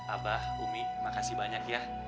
abah umi makasih banyak ya